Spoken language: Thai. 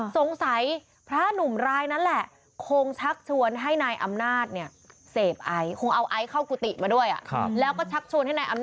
พระหนุ่มรายนั้นแหละคงชักชวนให้นายอำนาจเนี่ย